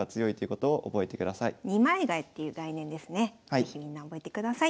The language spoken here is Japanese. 是非みんな覚えてください。